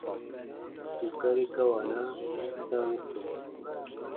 Bù gari gawanaa dam kɛ̃.